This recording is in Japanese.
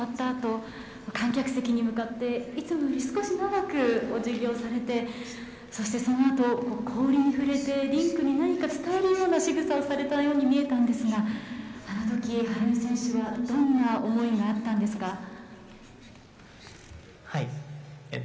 あと観客席に向かっていつもより少し長くおじぎをされてそして、そのあと氷に触れてリンクに何か伝えるようなしぐさをされたように見えたんですがあのとき羽生選手はどんな思いがあったんですか。